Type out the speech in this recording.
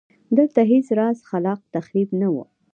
دلته هېڅ راز خلاق تخریب نه و